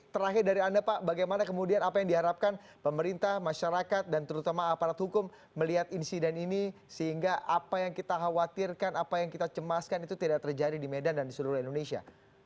terakhir dari anda pak bagaimana kemudian apa yang diharapkan pemerintah masyarakat dan terutama aparat hukum melihat insiden ini sehingga apa yang kita khawatirkan apa yang kita cemaskan itu tidak terjadi di medan dan di seluruh indonesia